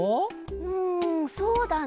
うんそうだな。